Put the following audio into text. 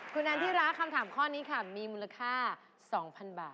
คุณแอนที่รักคำถามข้อนี้ค่ะมีมูลค่า๒๐๐๐บาท